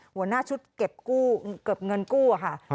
หัวหน้าชุดเก็บกู้เกือบเงินกู้ค่ะ